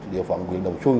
địa phòng nguyễn đồng xuân